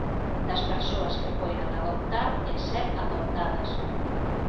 Das persoas que poidan adoptar e ser adoptadas